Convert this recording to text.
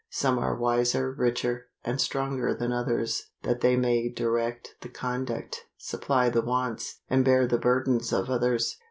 Some are wiser, richer, and stronger than others that they may direct the conduct, supply the wants, and bear the burdens of others.